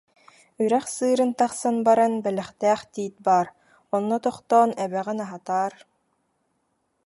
Үрэх сыырын тахсан баран, бэлэхтээх тиит баар, онно тохтоон, эбэҕин аһатаар